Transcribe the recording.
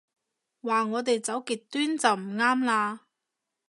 話我哋走極端就唔啱啦